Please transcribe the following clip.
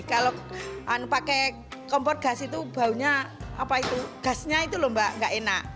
kalau pakai kompor gas itu baunya gasnya itu enggak enak